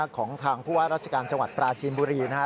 ของทางพวกรัชกาลจังหวัดปราจีนบุรีนะครับ